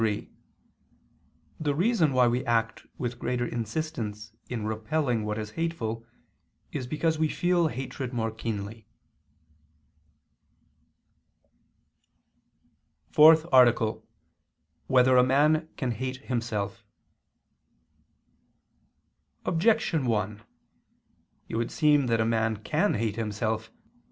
3: The reason why we act with greater insistence in repelling what is hateful, is because we feel hatred more keenly. ________________________ FOURTH ARTICLE [I II, Q. 29, Art. 4] Whether a Man Can Hate Himself? Objection 1: It would seem that a man can hate himself.